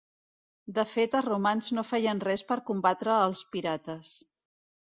De fet els romans no feien res per combatre als pirates.